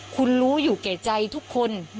คุณรู้อยู่แก่ใจทุกคน